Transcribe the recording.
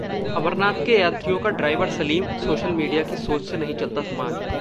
अमरनाथ के यात्रियों का ड्राइवर 'सलीम', सोशल मीडिया की सोच से नहीं चलता समाज